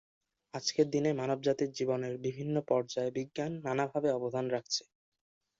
আজকের দিনে মানবজাতির জীবনের বিভিন্ন পর্যায়ে বিজ্ঞান নানাভাবে অবদান রাখছে।